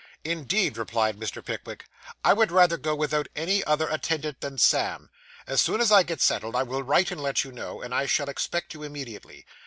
'Indeed,' replied Mr. Pickwick, 'I would rather go without any other attendant than Sam. As soon as I get settled, I will write and let you know, and I shall expect you immediately.